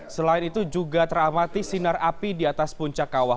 selain itu juga teramati sinar api di atas puncak kawah